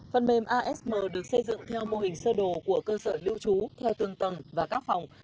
phần mềm asm được xây dựng theo mô hình sơ đồ của cơ sở lưu trú theo từng tầng và các phòng